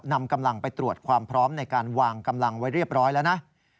นำกำลังไปตรวจความพร้อมในการวางกำลังไว้เรียบร้อยแล้วนะ